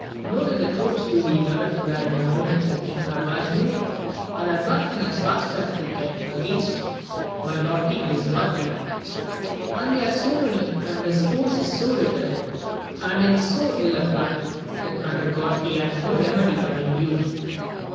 Know that the troops who we heard were in the mountains with King Aravigo, are ad vancing as fast as they can against my lord King Lisu arte ;^and they are so many and his force so little and in so ill a plight, that under God he hath no remedy but in you.